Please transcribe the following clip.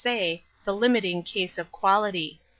say, the limiting case of quality.